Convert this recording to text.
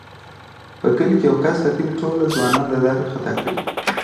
په کلي کې یوه کس د کلي ټوله ځوانان له لارې خطا کړي دي.